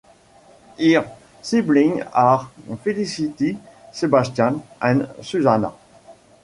Her siblings are Felicity, Sebastian, and Susannah.